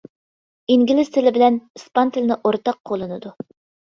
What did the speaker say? ئىنگلىز تىلى بىلەن ئىسپان تىلىنى ئورتاق قوللىنىدۇ.